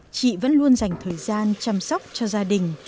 chị vẫn luôn dành thời gian chăm sóc cho gia đình